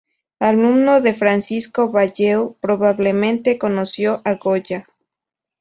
Alumno de Francisco Bayeu, probablemente conoció a Goya.